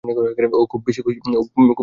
ও খুব বেশি কিছু না।